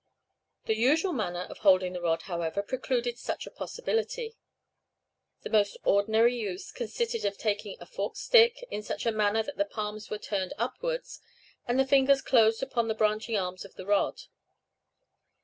The usual manner of holding the rod, however, precluded such a possibility. The most ordinary use consisted in taking a forked stick in such a manner that the palms were turned upwards, and the fingers closed upon the branching arms of the rod.